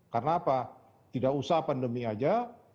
karena apa tidak usah pandemi aja